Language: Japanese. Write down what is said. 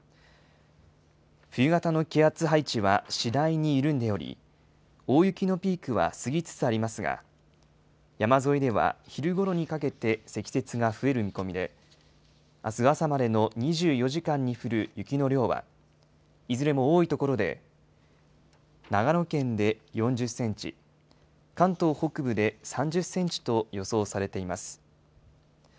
冬型の気圧配置は次第に緩んでおり、大雪のピークは過ぎつつありますが、山沿いでは昼ごろにかけて積雪が増える見込みで、あす朝までの２４時間に降る雪の量は、いずれも多い所で、長野県で４０センチ、関東北部で３０センチと予想されています。